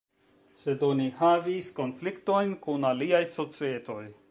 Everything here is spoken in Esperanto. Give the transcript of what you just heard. Sed oni havis konfliktojn kun aliaj societoj.